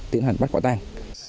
tiến hành bắt quả tang